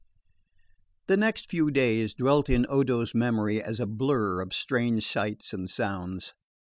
The next few days dwelt in Odo's memory as a blur of strange sights and sounds.